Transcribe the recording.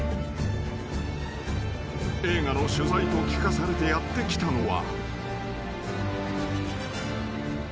［映画の取材と聞かされてやって来たのは］